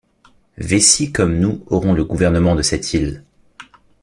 Vécy comme nous aurons le gouvernement de ceste isle.